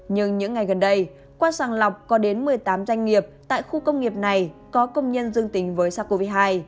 nhưng những ngày gần đây qua sàng lọc có đến một mươi tám doanh nghiệp tại khu công nghiệp này có công nhân dương tính với sars cov hai